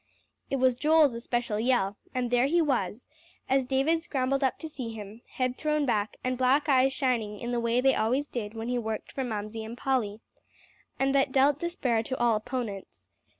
It was Joel's especial yell; and there he was, as David scrambled up to see him, head thrown back, and black eyes shining in the way they always did when he worked for Mamsie and Polly, and that dealt despair to all opponents.